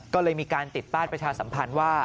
ก็เลยมีการติดป้ายประชาสัมพันธ์ว่า